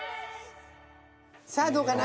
さあどうかな？